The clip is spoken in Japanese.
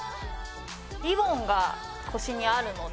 リボンが腰にあるので。